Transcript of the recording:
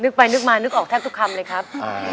ไปนึกมานึกออกแทบทุกคำเลยครับ